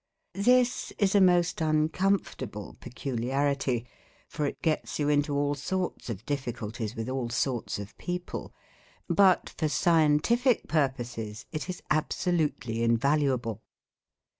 This is a most uncomfortable peculiarity for it gets you into all sorts of difficulties with all sorts of people but, for scientific purposes, it is absolutely invaluable.